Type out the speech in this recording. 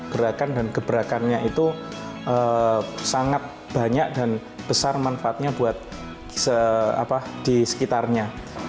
gerakan dan gebrakannya itu sangat banyak dan besar manfaatnya buat di sekitarnya